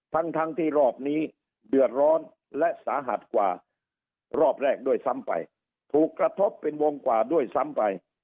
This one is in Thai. ทั้งทั้งที่รอบนี้เดือดร้อนและสาหัสกว่ารอบแรกด้วยซ้ำไปถูกกระทบเป็นวงกว่าด้วยซ้ำไป